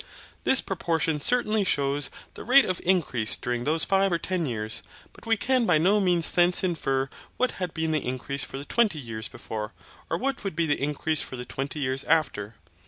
This proportion certainly shews the rate of increase during those five or ten years; but we can by no means thence infer what had been the increase for the twenty years before, or what would be the increase for the twenty years after.